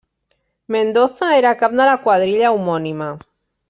Mendoza era cap de la quadrilla homònima.